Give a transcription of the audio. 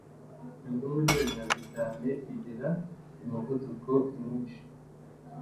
imvubu ni inkazi cyane igira umuvuduko mwinshi.